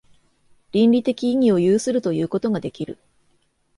倫理的意義を有するということができる。